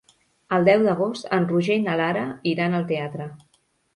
El deu d'agost en Roger i na Lara iran al teatre.